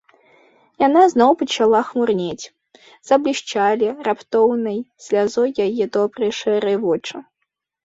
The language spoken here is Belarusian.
Яна зноў пачала хмурнець, заблішчалі раптоўнай слязой яе добрыя шэрыя вочы.